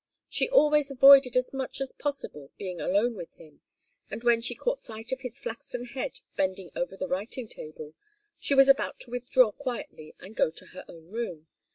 She always avoided as much as possible being alone with him, and when she caught sight of his flaxen head bending over the writing table, she was about to withdraw quietly and go to her own room.